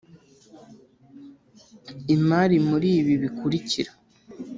Imari muri ibi bikurikira